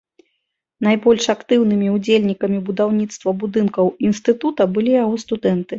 Найбольш актыўнымі ўдзельнікамі будаўніцтва будынкаў інстытута былі яго студэнты.